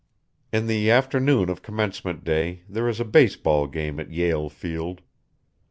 In the afternoon of commencement day there is a base ball game at Yale Field.